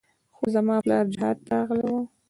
خو زما پلار جهاد ته راغلى و.